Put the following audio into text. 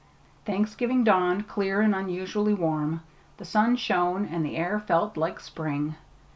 Thanksgiving dawned clear and unusually warm. The sun shone, and the air felt like spring.